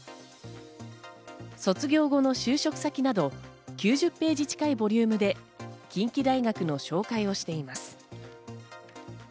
卒業後の就職先など、９０ページに近いボリュームで近畿大学の紹介をしています。